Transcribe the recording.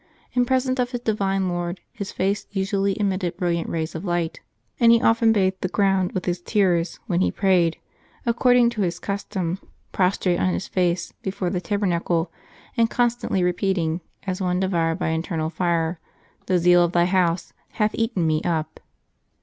In presence of his divine Lord his face usually emitted bril liant rays of light; and he often bathed the ground with his tears when he prayed, according to his custom, pros trate on his face before the tabernacle, and constantly repeating, as one devoured by internal fire, "The zeal of Thy house hath eaten me up."